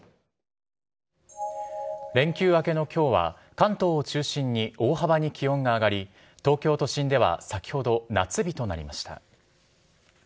連休明けのきょうは、関東を中心に大幅に気温が上がり、東京都心では先ほど、夏日となりました。